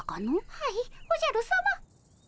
はいおじゃるさま。